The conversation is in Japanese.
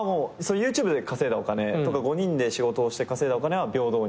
ＹｏｕＴｕｂｅで稼いだお金とか５人で仕事をして稼いだお金は平等に。